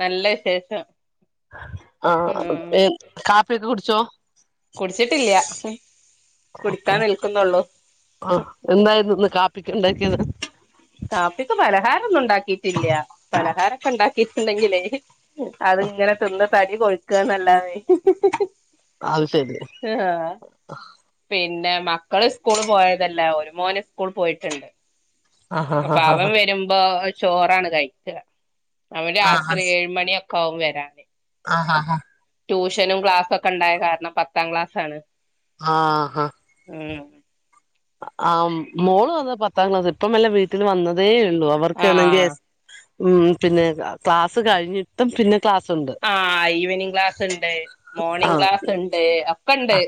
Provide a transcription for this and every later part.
നല്ല വിശേഷം ആഹ ഉം കാപ്പിയൊക്കെ കുടിച്ചോ കുടിച്ചിട്ടില്ല കുടിക്കാൻ നിൽക്കുന്നുള്ളൂ ആഹ് എന്തായിരുന്നു [unintelligible] ഉണ്ടാക്കിയത് ഇല്ല പലഹാരംക്കെ ഉണ്ടാക്കിട്ടുണ്ടെങ്കിലേ അത്ങ്ങനെ തിന്ന് തനി കൊഴുക്കുകന്നല്ലതെ അത് ശരി ആഹ പിന്നെ മക്കള് സ്കൂള പോയതല്ല ഒരു മോന് സ്കൂൾ പോയിട്ടുണ്ട് ആഹ് ആഹ് അപ്പൊ അവൻ ആഹ് വരുമ്പോ ചോറാണ് കഴിക്കുക അവൻ രാത്രി ഏഴുമണിയൊക്കെ കാവും വരാന് ആഹ ആഹ് ആഹ ട്യൂഷനും ക്ലാസ്സും ഒക്കെ ഉണ്ടായത് കാരണം പത്താം ക്ലാസ് ആണ് ആഹ ഹഹ ഉം ആ മോളും വന്നാ പത്താം ക്ലാസ് ഇപ്പല്ല വീട്ടിൽ വന്നതേഒള്ളു അവർക്ക് ആണെങ്കിൽ ആഹ് ക്ലാസ് കഴിഞ്ഞിട്ടും പിന്നെ ക്ലാസ്സുണ്ട് ആഹ ഈവനിംങ്ങ് ക്ലാസ് ഉണ്ട് മോർണിംങ്ങ് ക്ലാസ് ഉണ്ട് ഒക്ക ഉണ്ട്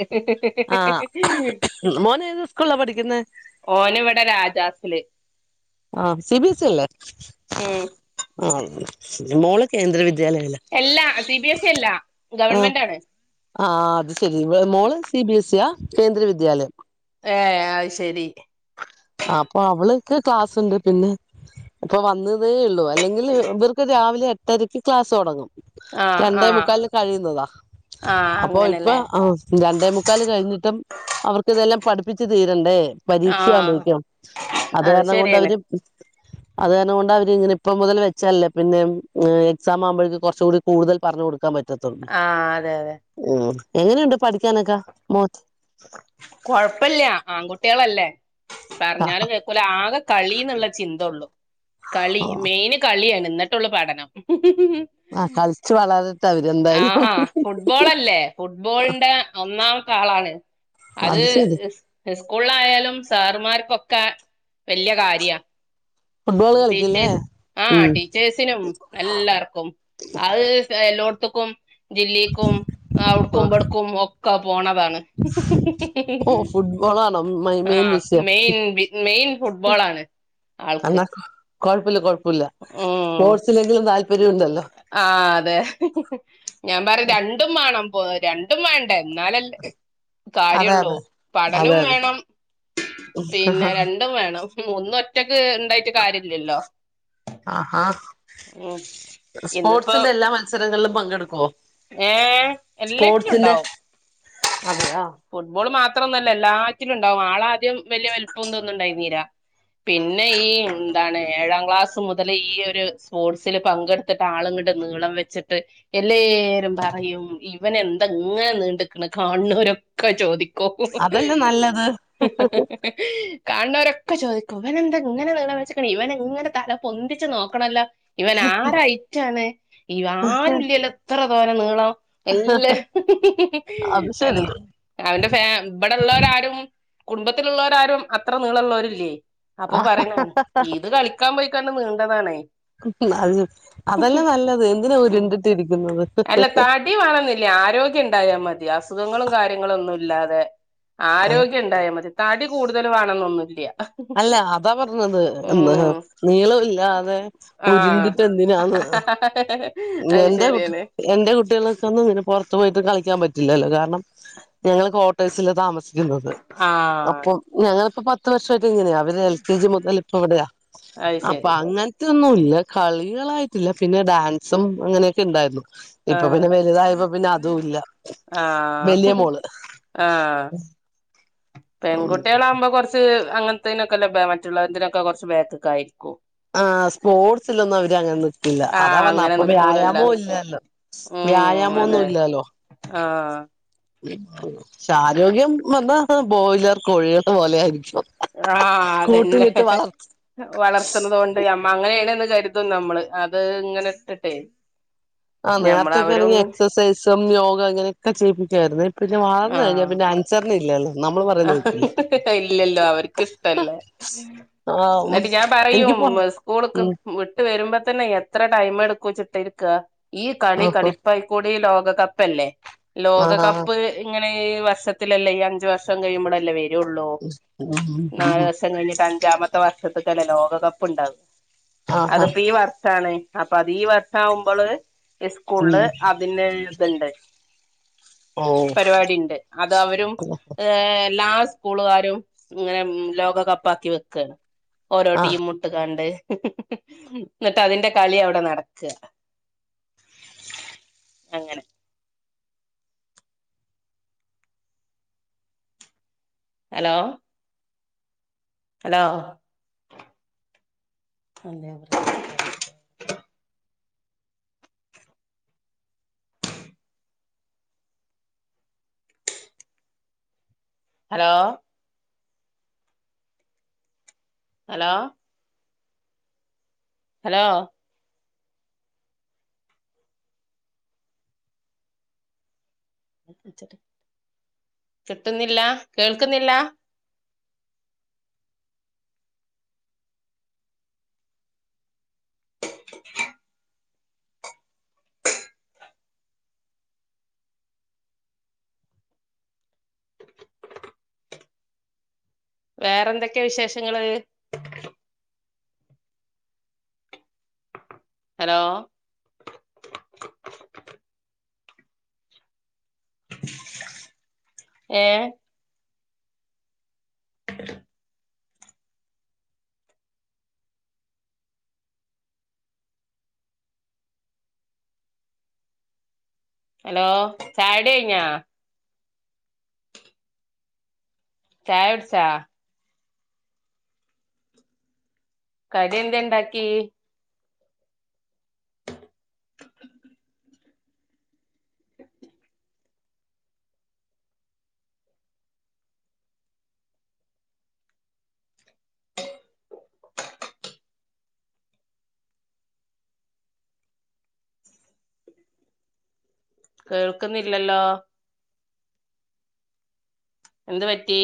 ആഹ മോന് ഏത് സ്കൂളാ പഠിക്കുന്നെ ഓന് ഇവിടെ രാജാസില് ആ സി ബി എസ് ഇ അല്ലേ ഉം ആ മോള കേന്ദ്രദ്യ എല്ലാ സി ബി എസ് ഇ അല്ലാ ഗവണ്മെന്റ് ആണ് ആ അത് ശെരി മോള് സി ബി എസ് ഇ ആ കേന്ദ്ര വിദ്യാലയം ഏയ് അത് ശരി അപ്പൊ അവള്ക്കെ ക്ലാസ്സ്ണ്ട് പിന്നെ ഇപ്പൊ വന്നതേ ഉള്ളൂ അല്ലെങ്കിൽ ഇവർക്ക് രാവിലെ എട്ടരക്ക് ക്ലാസ് തുടങ്ങും ആഹ് രണ്ടേ ആഹ് മുക്കാലിന് കഴിയുന്നതാ ആഹ് അപ്പൊ ഇപ്പൊ അങ്ങനല്ലേ രണ്ടേമുക്കാല് കഴിഞ്ഞിട്ടും അവർക്ക് ഇതെല്ലാം പഠിപ്പിച്ച് തീരണ്ടേ ആഹ് പരീക്ഷുമ്പോഴേക്കും അത് കാരണം കൊണ്ട അവര് [inaudible] അത് കാരണം കൊണ്ട് അവർ ഇങ്ങനെ ഇപ്പം മുതൽ വെച്ചാലല്ലേ പിന്നെ എക്സാം ആവുമ്പോഴേക്ക് കുറച്ചുകൂടി കൂടുതൽ പറഞ്ഞു കൊടുക്കാൻ പറ്റും ആഹ് അതെ അതെ എങ്ങനെയുണ്ട് പഠിക്കാനൊക്കെ കൊഴപ്പില്ല ആൺകുട്ടികളല്ലേ പറഞ്ഞാലും കേൾക്കുല ആകെ കളിന്നുള്ള ചിന്ത ഉള്ളു കളി മെയിന് കളിയാണ് എന്നിട്ടുള്ള പഠനം ആ കളിച്ചു വളരട്ടെ അവര് എന്തായാലും ആഹാ ഫുട്ബോൾല്ലേ ഫുട്ബോളിന്റെ ഒന്നാം ആളാണ് അത് സ്കൂളിലായാലും സാറമാർക്കൊക്കെ വല്യ കാര്യ ഫുട്ബോൾ കളിക്കില്ലേ ടീച്ചേഴ്സ് ആഹ ഉം ടീച്ചേഴ്സിനും എല്ലർക്കും അത് എല്ലോടത്തും ക്ക ആ ജക്കുംടുക്കുംടക്കും ഒക്ക പോണതാണ് ഓ ഫുട്ബോളാണോ ആ മെയിൻ വിഷയം മെ മെയിൻ ഫുട്ബോൾ ആാണ് ആൾക്ക് കുഴപ്പമില്ല കുഴപ്പമില്ല ഉം സ്പോർട്സിലെങ്കിലും താല്പര്യം ഉണ്ടല്ലോ ആ അതെ ഞാൻ പറ രണ്ടും വേണം രണ്ടും വേണ്ട എന്നാലല്ലേ അതെ കാര്യള്ളൂ അതെ അതെ പഠനവും അതെ വേണം പിന്നെ രണ്ടും വേണം ഒന്ന ഒറ്റക്ക് ഉണ്ടായിട്ട് കാര്യംില്ലല്ലോ ആഹാ സ്പോർട്സിന്റെ എല്ലാ മത്സരങ്ങളിലും പങ്കെടുക്കുവോ ഏഹ എല്ലാറ്റിലും സ്പോർട്സിന്റെ ഉണ്ടാവും അതെയാ ഫുട്ബോൾ മാത്രംന്നല്ല എല്ലാ ുണ്ടാവും ആളാദ്യം വലിയ വലുപ്പംോന്നുണ്ടായി നീരാ പിന്നെ ഈ അതാണ് ഏഴാം ക്ലാസ് മുതൽ ഈ ഒരു സ്പോർട്സിൽ പങ്കെടുത്തിട്ട് ആളുംങ്ങുടെ നീളം വെച്ചിട്ട് എല്ലാവരും പറയും ഇവന എന്തെങ്ങനെ നീണ്ടക്കണ് കാണ്ണൂരൊക്കെ ചോദിക്കും അതല്ലേ നല്ലത് കണര ഒക്കെ ചോദിക്കും ഇവന എന്താ ഇങ്ങനെ വള വെച്ചക്കണ ഇവൻ ഇങ്ങനെ തല പൊന്തിച്ച് നോണല്ലോ ഇവൻ ആരയറ്റാണ് ഇവ ആരുല്ലല്ലോ എത്ര തോര നീളം എല്ല അത് ശരി അവന്റെ ഫാ ഇവിടെള്ളവരാരും കുടുംബത്തിലുള്ളവരാരും അത്ര നീളള്ളവരില്ലേ അപ്പൊ ആ പറയണ ഇത് കളിക്കാൻ പോയി നീണ്ടതാണേ അത് അതല്ലേ നല്ലത് എന്തിനാ ഉം. ഉരുണ്ടിട്ടി ഇരിക്കുന്നു അല്ല തടി വേണന്നില്ലേ ആരോഗ്യം ഉണ്ടായാൽ മതി അസുഖങ്ങളും കാര്യങ്ങളും ഒന്നും ഇല്ലാതെ ആരോഗ്യം ഉണ്ടായാൽ മതി തടി കൂടുതൽ വേണംെന്ന ഒന്നത് അല്ല അതാ പറഞ്ഞത് എന്ന് ഉം നീളം ഇല്ലാതെ ആഹ് ഉരുന്തിട്ട എന്തിനാണ് അത് എന്റെ ശരിയാണ് എന്റെ കുട്ടികൾക്കൊന്നും നിെ പുറത്തു പോയിട്ട് കളിക്കാൻ പറ്റില്ലല്ലോ കാരണം ഞങ്ങള്ൾ ട്ടേഴ്സില് താമസിക്കുന്നത് ആഹ് അപ്പൊ ഞങ്ങളിപ്പോ പത്ത് വർഷം ഇങ്ങനെയ അവ എൽ കെ ജി മുതൽപ്പ എവിടെയാ അത് അപ്പൊ ശരി അങ്ങനത്തെ ൊന്നുംല്ല കളികളായിട്ടില്ല പിന്നെ ഡാൻസും അങ്ങനെയൊക്കെ ഉണ്ടായിരുന്നു ഇപ്പൊ ആഹ് പിന്നെ വലുതായപ്പോ പിന്നെ അതും ഇല്ല വലിയ ആഹ് മോള് ആഹ് പെൺകുട്ടികളാകുമ്പോ കുറച്ച് അങ്ങനത്തനൊക്കെ ലഭ മറ്റുള്ളതിനൊക്കെ കുറച്ച് ബേക്കക്ക ആയിരിക്കും ആഹ സ്പോർട്സിലൊന്നും അവര് അങ്ങനെ നട്ടില്ല അതാ ആഹ് പറഞ്ഞാ അങ്ങനെ അപ്പൊ നിക്കൂലല്ലോ വ്യായാമം ഇല്ലല്ലോ വ്യായാമം ഒന്നും ഇല്ലല്ലോ ആഹ പക്ഷെ ആരോഗ്യം വന്നാൽ ബോയിലർ കോഴികട്ട പോലെ ആയിരിക്കും ആഹ അതന്നെ കൂട്ടിലിട്ട് വളർത്തും വളർത്തുന്നത് കൊണ്ട് അമ്മ അങ്ങനെയണ കരുതും നമ്മള് അത് ഇങ്ങനെ ഇട്ടട്ടെ ആഹ് നേരത്തെൊക്കെ ആണെങ്കി എക്സർസൈസും യോഗ ഇങ്ങനെയൊക്കെ ചെയ്യിപ്പിക്കായിരുന്നു പിന്നെ മാറന്നു കഴഞ്ഞാ പിന്നെ അൻസറിന് ഇല്ലല്ലോ നമ്മള് പറയുന്നത് കേക്കില്ല ആ ഇല്ലല്ലോ അവർക്ക് ഇഷ്ടല്ലേ ആ എന്നിട്ട് ഞാൻ പറയും എനിക്കിപ്പോ സ്കൂൾക്ക് ഉം വിട്ട് വരുമ്പോ തന്നെ എത്ര ടൈം എടുക്കും ച്ചിട്ടിരിക്ക ഈ കളി ആഹ് കണിപ്പായിക്കൂടി ലോകകപ്പല്ലേ ആഹ് ആഹ് ലോകകപ്പ് ഇങ്ങനെ വർഷത്തിലല്ലേ ഈ അഞ്ച വർഷം കഴിയുമ്പോഴല്ലേ വര ള്ളൂ നാലല് ദിവസം കഴിഞ്ഞിട്ട് അഞ്ചാമത്തെ വ വർഷത്തക്കന്നെ ലോകകപ്പ് ഉണ്ടാവും ആഹ് ആഹ് അതിപ്പോ ഈ വർഷാണ് അപ്പൊ അതീഈ വർഷ ആകുമ്പോള് ആഹ് സ്കൂളില് അതി എഴുതുണ്ട് ഓ പരിപാടി ഉണ്ട് അത അവരും എല്ലാ സ്കൂളുകാരും ഇങ്ങനെ ലോകകപ്പ്ാക്കി വെക്കുക ഓരോ ആ ടീം മുട്ടുകാ എന്നിട്ട് അതിന്റെ കളി അവിടെ നടക്കുക അങ്ങനെ hello hello [inaudible] hello hello hello കിട്ടുന്നില്ല കേൾക്കുന്നില്ല [inaudible] വേറെ എന്തൊക്കെയ വിശേഷങ്ങള്ത് ഹലോ ഏ [inaudible] ഹലോ ചാടി യിഞ്ഞ ചായ കുട്ചോ കടി എന്ത ഇണ്ടാക്കി കേൾക്കുന്നില്ലല്ലോ എന്ത് പറ്റി